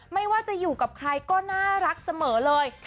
ไม่ว่าจะอยู่กับใครก็น่ารักเสมอเลย